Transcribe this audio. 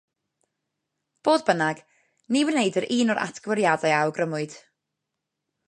Fodd bynnag, ni wnaed yr un o'r atgyweiriadau a awgrymwyd.